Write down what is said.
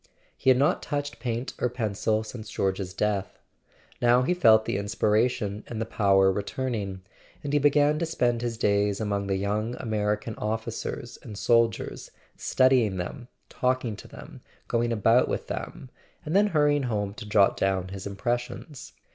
He had not touched paint or pencil since George's death; now he felt the inspiration and the power re¬ turning, and he began to spend his days among the young American officers and soldiers, studying them, talking to them, going about with them, and then hurrying home to jot down his impressions.